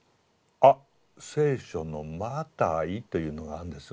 あ聖書のマタイというのがあるんですね。